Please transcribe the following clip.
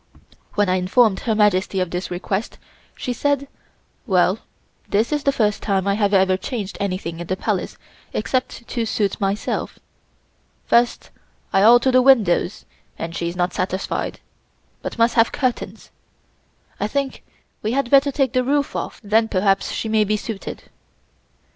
When I informed Her Majesty of this request, she said: "Well, this is the first time I have ever changed anything in the Palace except to suit myself. First I alter the windows, and she is not satisfied, but must have curtains. I think we had better take the roof off, then perhaps she may be suited."